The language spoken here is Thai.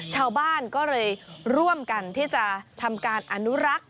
ชาวบ้านก็เลยร่วมกันที่จะทำการอนุรักษ์